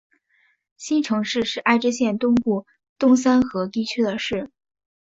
新城市是爱知县东部东三河地区的市。